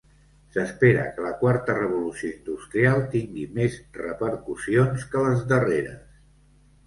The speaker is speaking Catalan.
S'espera que la quarta revolució industrial tingui més repercussions que les darreres.